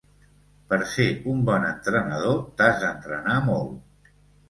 Per ser un bon entrenador t'has d'entrenar molt.